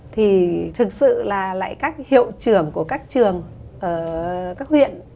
thì thực sự là lại các hiệu trưởng của các trường các huyện